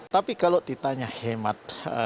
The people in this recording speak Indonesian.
tapi kalau ditanya hemat